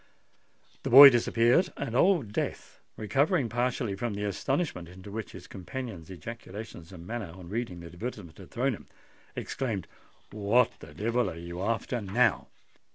The boy disappeared; and Old Death, recovering partially from the astonishment into which his companion's ejaculations and manner on reading the advertisement had thrown him, exclaimed, "What the devil are you after now?"